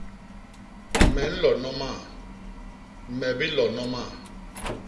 Me nlo noma; me bilo noma.